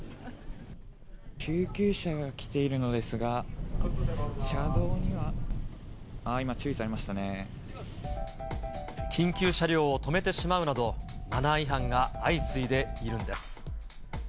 救急車が来ているのですが、車道には、ああ、今、注意されま緊急車両を止めてしまうなど、マナー違反が相次いでいるんです。